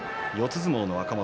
相撲の若元